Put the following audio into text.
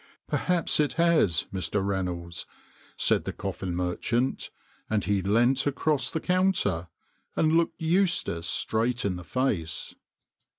"Perhaps it has, Mr. Reynolds," said the coffin merchant, and he leant across the counter and looked Eustace straight in the face.